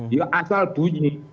ya asal bunyi